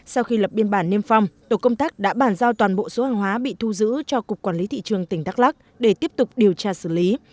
sau khi lập biên bản niêm phong tổ công tác đã bàn giao toàn bộ số hàng hóa bị thu giữ cho cục quản lý thị trường tỉnh đắk lắc để tiếp tục điều tra xử lý